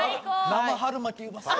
生春巻うまそう！